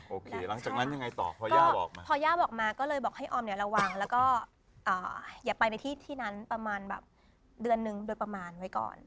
หลังจากนั้นยังไงต่อพอย่าบอกมาพอย่าบอกมาก็เลยบอกให้ออมเนี่ยระวังแล้วก็อย่าไปในที่ที่นั้นประมาณแบบเดือนนึงโดยประมาณไว้ก่อน